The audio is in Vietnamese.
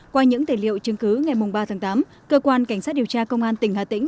qua những tài liệu chứng cứ ngày ba tháng tám cơ quan cảnh sát điều tra công an tỉnh hà tĩnh